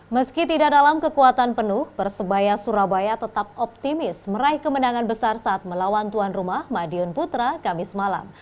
meski tidak dalam kekuatan penuh persebaya surabaya tetap optimis meraih kemenangan besar saat melawan tuan rumah madiun putra kamis malam